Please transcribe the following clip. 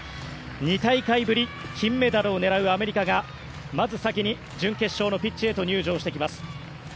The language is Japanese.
２大会ぶり金メダルを狙うアメリカがまず先に準決勝のピッチへと入場してきます。